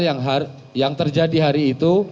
yang terjadi hari itu